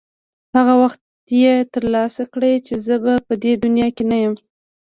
هغه وخت یې ترلاسه کړې چې زه به په دې دنیا کې نه یم.